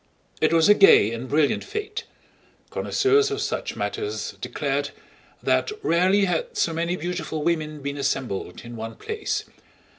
It was a gay and brilliant fete. Connoisseurs of such matters declared that rarely had so many beautiful women been assembled in one place.